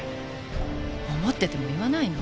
思ってても言わないの。